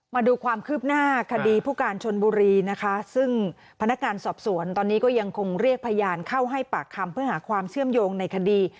มาดูความคืบหน้าคดีผู้การชนบุรีนะคะซึ่งพนักงานสอบสวนตอนนี้ก็ยังคงเรียกพยานเข้าให้ปากคำเพื่อหาความเชื่อมโยงในคดี